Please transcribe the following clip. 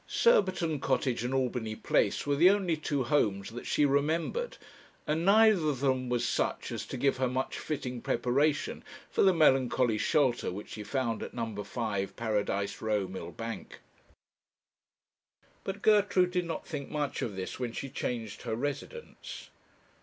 Surbiton Cottage and Albany Place were the only two homes that she remembered, and neither of them was such as to give her much fitting preparation for the melancholy shelter which she found at No. 5, Paradise Row, Millbank. But Gertrude did not think much of this when she changed her residence.